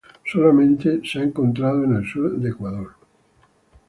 Solamente ha sido encontrada en el sur de Ecuador.